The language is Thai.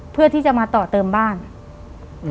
เพื่อที่จะมาต่อเติมบ้านอืม